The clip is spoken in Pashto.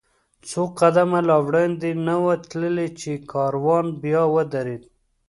څو قدمه لا وړاندې نه و تللي، چې کاروان بیا ودرېد.